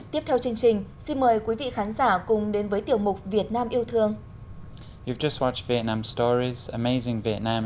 tiếp theo chương trình xin mời quý vị khán giả cùng đến với tiểu mục việt nam yêu thương